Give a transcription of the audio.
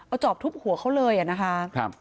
เอาจอบทุบหัวเขาเลยนะคะ